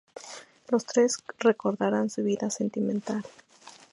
Los tres recordarán su vida sentimental.